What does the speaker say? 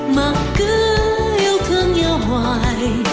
mà cứ yêu thương nhau hoài